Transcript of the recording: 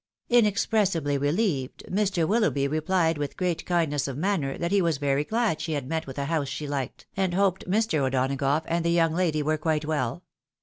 Inexpressibly relieved, Mr. Willoughby repKed with great kindness of manner that he was very glad she had met with a house she liked, and hoped Mr. O'Donagough and the young lady were quite well.